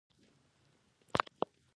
که کلی ښۀ دی خو دا مه وایه چې ښار ښۀ ندی!